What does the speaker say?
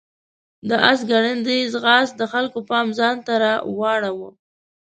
د آس ګړندی ځغاست د خلکو پام ځان ته راواړاوه.